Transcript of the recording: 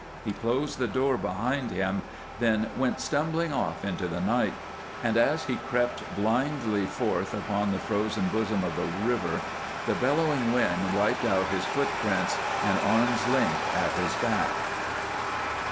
He closed the door behind him, then went stumbling off into the night, and as he crept blindly forth upon the frozen bosom of the river the bellowing wind wiped out his footprints an arm's length at his back.